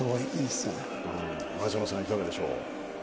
前園さん、いかがでしょう。